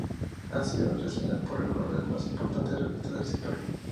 Ha sido reseñado por algunas de las más importantes revistas del sector.